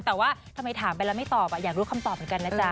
แต่ว่าทำไมถามไปแล้วไม่ตอบอยากรู้คำตอบเหมือนกันนะจ๊ะ